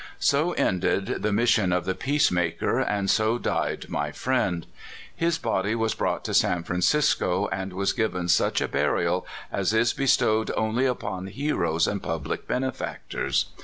So ended the mission of the peace maker, and so died ray friend. His body was brought to San Francisco, and was given such a burial as is be stowed only upon heroes and public benefactors.